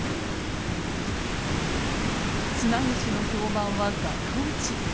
綱吉の評判はガタ落ち。